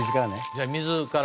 じゃあ水から。